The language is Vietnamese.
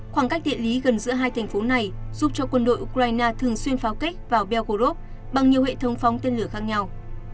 khoảng cách địa lý gần giữa hai thành phố này giúp cho quân đội ukraine thường xuyên pháo kích vào belgorov bằng nhiều hệ thống phóng tên lửa khác nhau